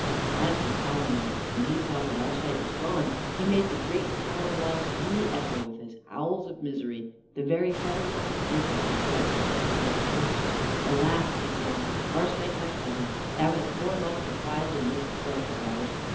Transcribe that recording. As for Palamon, when he saw that Arcite was gone, he made the great tower walls re echo with his howls of misery. The very fetters on his ankles were wet with his salt tears. "Alas," he groaned, "Arcite, my cousin, thou hast borne off the prize in this strife of ours!